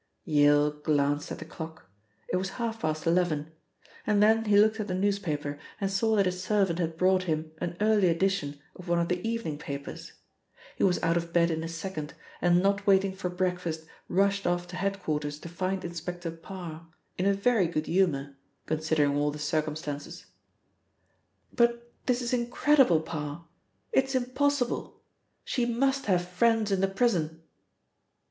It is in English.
Yale glanced at the clock. It was half past eleven. And then he looked at the newspaper and saw that his servant had brought him an early edition of one of the evening papers. He was out of bed in a second and, not waiting for breakfast, rushed off to head quarters to find Inspector Parr in a very good humour, considering all the circumstances. "But this is incredible, Parr, it is impossible! She must have friends in the prison!"